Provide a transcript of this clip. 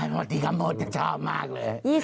มันดีกับหมดชอบมากเลย